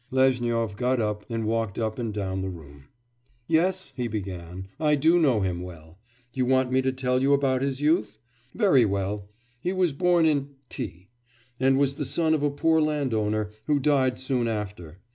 Lezhnyov got up and walked up and down the room. 'Yes,' he began, 'I do know him well. You want me to tell you about his youth? Very well. He was born in T , and was the son of a poor landowner, who died soon after.